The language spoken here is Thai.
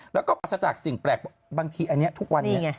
แล้วก็ปราศจากสิ่งแปลกบางทีอันนี้ทุกวันนี้